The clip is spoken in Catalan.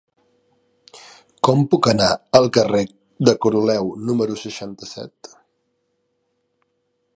Com puc anar al carrer de Coroleu número seixanta-set?